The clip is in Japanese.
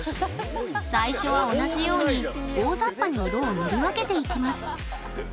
最初は同じように大ざっぱに色を塗り分けていきます